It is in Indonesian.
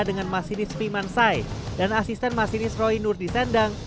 dengan masinis fimansai dan asisten masinis roy nur disendang